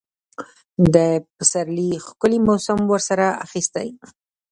د پسرلي ښکلي موسم ورسره اخیستی.